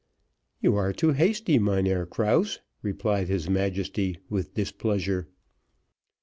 "You are too hasty, Mynheer Krause," replied his Majesty with displeasure.